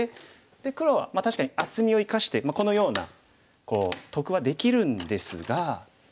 黒は確かに厚みを生かしてこのようなこう得はできるんですが。